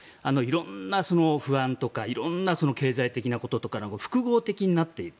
色んな不安とか色んな経済的なこととかが複合的になっている。